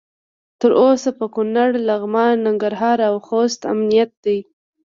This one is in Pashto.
تر اوسه په کنړ، لغمان، ننګرهار او خوست امنیت دی.